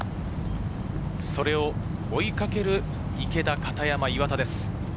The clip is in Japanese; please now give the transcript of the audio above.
それを追いかける池田、片山、岩田です。